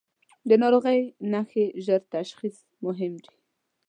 د ناروغۍ نښې ژر تشخیص مهم دي.